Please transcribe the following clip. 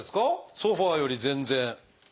ソファーより全然。